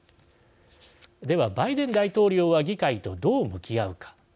では、バイデン大統領は議会と、どう向き合うか。